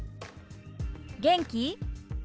「元気？」。